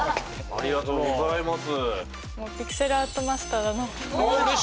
ありがとうございます。